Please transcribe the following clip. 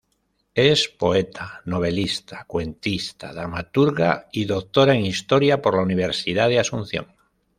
Es poeta, novelista, cuentista, dramaturga y Doctora en Historia por la Universidad de Asunción.